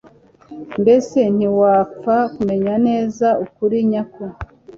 mbese ntiwapfa kumenye neza ukuri nyako